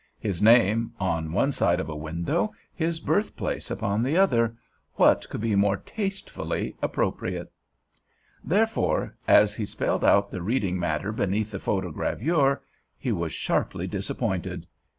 His name on one side of a window, his birthplace upon the other—what could be more tastefully appropriate? Therefore, as he spelled out the reading matter beneath the photogravure, he was sharply disappointed.